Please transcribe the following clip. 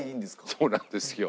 そうなんですよ。